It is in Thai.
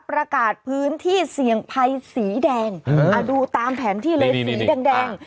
ประกาศพื้นที่เสี่ยงภัยสีแดงดูตามแผนที่เลยสีแดง